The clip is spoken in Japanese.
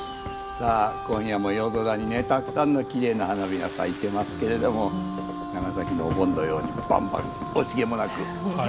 さあ今夜も夜空にねたくさんのきれいな花火が咲いてますけれども長崎のお盆のようにバンバン惜しげもなく打ち上げております。